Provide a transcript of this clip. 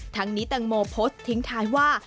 ทั้งนี้แตงโมโพสต์ทิ้งท้ายว่า